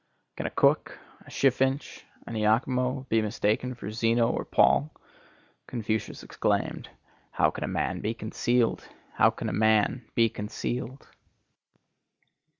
Can a cook, a Chiffinch, an Iachimo be mistaken for Zeno or Paul? Confucius exclaimed,—"How can a man be concealed? How can a man be concealed?"